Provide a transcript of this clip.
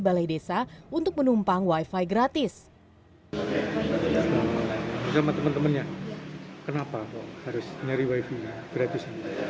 balai desa untuk menumpang wifi gratis sama temen temennya kenapa harus nyari wifi gratis